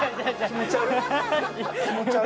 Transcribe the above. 気持ち悪。